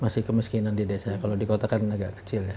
masih kemiskinan di desa kalau di kota kan agak kecil ya